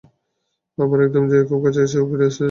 আবার একদম জয়ের খুব কাছে এসেও ফিরে যেতে পারে খালি হাতে।